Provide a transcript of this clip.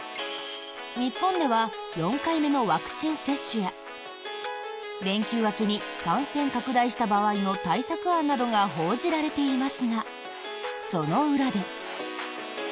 日本では４回目のワクチン接種や連休明けに感染拡大した場合の対策案などが報じられていますがその裏で。